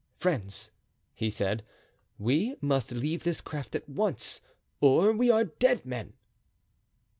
"Friends," he said, "we must leave this craft at once or we are dead men."